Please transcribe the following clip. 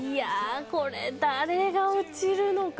これ誰が落ちるのか